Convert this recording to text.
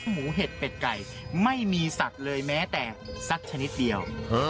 เห็ดเป็ดไก่ไม่มีสัตว์เลยแม้แต่สักชนิดเดียว